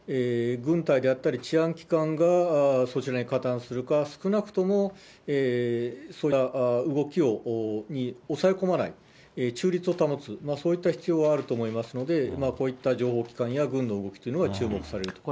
軍隊であったり、治安機関がそちらに加担するか、少なくとも、そういった動きを抑え込まない、中立を保つ、そういった必要はあると思いますので、こういった情報機関や軍の動きというのは注目される。